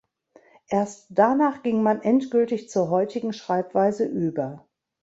Erst danach ging man endgültig zur heutigen Schreibweise über.